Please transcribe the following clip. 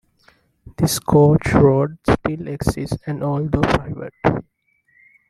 This coach-road still exists and although private.